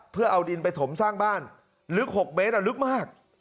เพื่อเอาดินไปถมสร้างบ้านลึก๖เมตรลึกมาก